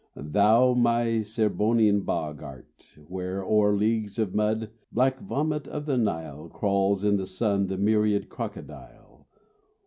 Thou my Serbonian Bog art, where O'er leagues of mud, black vomit of the Nile, Crawls in the sun the myriad crocodile.